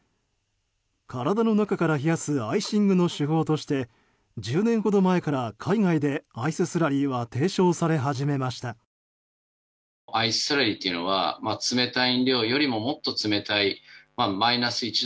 体の中から冷やすアイシングの手法として１０年ほど前から海外でアイススラリーは提唱され始めました。